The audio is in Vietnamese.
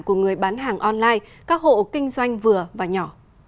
của người bán hàng online các hộ kinh doanh vừa và nhỏ